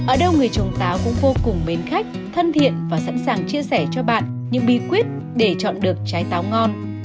ở đâu người trồng táo cũng vô cùng mến khách thân thiện và sẵn sàng chia sẻ cho bạn những bí quyết để chọn được trái táo ngon